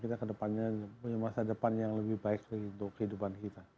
kita ke depannya punya masa depan yang lebih baik untuk kehidupan kita